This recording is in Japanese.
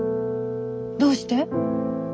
どうして？